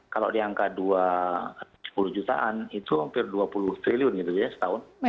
kalau di angka sepuluh jutaan itu hampir dua puluh triliun gitu ya setahun